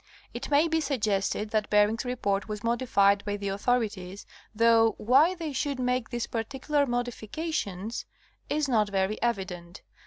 It may be suggested that Bering's report was modified by the authorities, though why they should make these particular mod ifications is not very evident.